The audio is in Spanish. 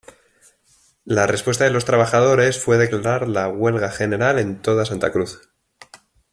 La respuesta de los trabajadores fue declarar la huelga general en toda Santa Cruz.